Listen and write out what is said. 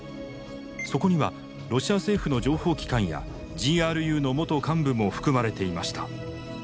そこにはロシア政府の情報機関やＧＲＵの元幹部も含まれていました。